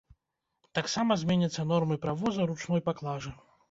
Таксама зменяцца нормы правоза ручной паклажы.